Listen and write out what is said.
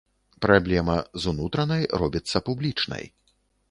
Праблема з унутранай робіцца публічнай.